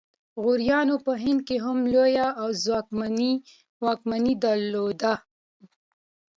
غوریانو په هند کې هم لویې او ځواکمنې واکمنۍ درلودې